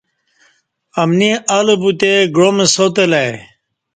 امنی اہ لہ بوتے گعام ساتلہ ای